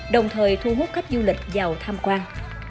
đồng thời thu hút khách du lịch vào tham quan